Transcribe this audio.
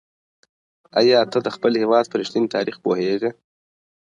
ایا ته د خپل هېواد په رښتیني تاریخ پوهېږې؟